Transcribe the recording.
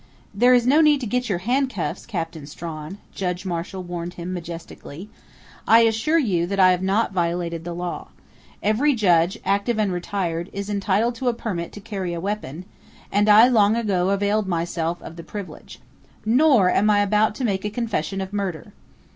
"There is no need to get out your handcuffs, Captain Strawn!" Judge Marshall warned him majestically. "I assure you that I have not violated the law. Every judge, active and retired, is entitled to a permit to carry a weapon, and I long ago availed myself of the privilege. Nor am I about to make a confession of murder!"